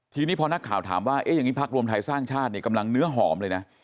ทีนี้พอนักข่าวถามว่าเอ๊ะอย่างนี้พักรวมไทยสร้างชาติเนี่ยกำลังเนื้อหอมเลยนะ